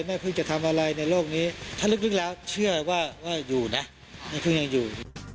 แม่เพิ่งจะทำอะไรในโลกนี้ถ้าลึกแล้วเชื่อว่าอยู่นะแม่พึ่งยังอยู่